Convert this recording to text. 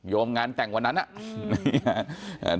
มงานแต่งวันนั้นน่ะ